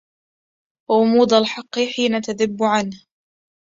غموض الحق حين تذب عنه